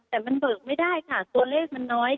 แต่มันเบิกไม่ได้ค่ะตัวเลขมันน้อย